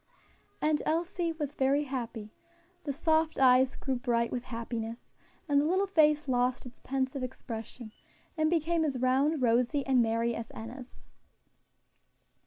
And Elsie was very happy; the soft eyes grew bright with happiness, and the little face lost its pensive expression, and became as round, rosy and merry as Enna's.